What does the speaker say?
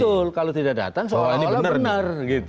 betul kalau tidak datang seolah olah benar